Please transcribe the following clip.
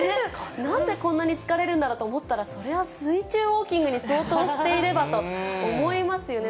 なんでこんなに疲れるんだろうと思ったら、そりゃ水中ウォーキングに相当していればと思いますよね。